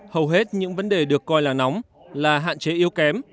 hầu hết những vấn đề được coi là nóng là hạn chế yếu kém